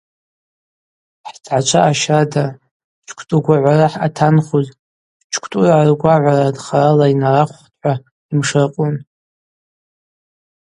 Хӏтгӏачва ащарда Чквтӏугвагӏвара хӏъатанхуз – Чквтӏургӏа ргвагӏвара нхарала йнарахвхтӏ – хӏва йымшыркъвун.